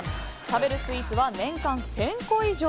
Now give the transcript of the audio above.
食べるスイーツは年間１０００個以上。